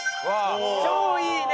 「超いいね」